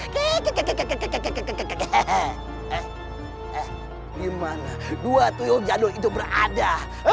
dimana dua tuyul jadul itu berada